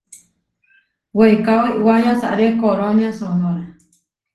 Weikáo iʼwá yasaré korónia Sonóra.